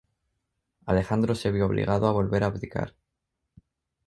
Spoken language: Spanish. Alejandro se vio obligado a volver a abdicar.